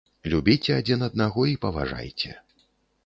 Любіце адзін аднаго і паважайце!